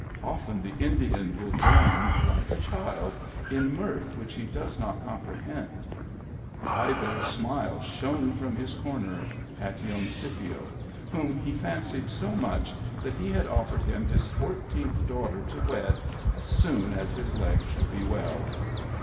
Often the Indian will join, like a child, in mirth which he does not comprehend. High Bear's smile shone from his corner at young Scipio, whom he fancied so much that he had offered him his fourteenth daughter to wed as soon as his leg should be well.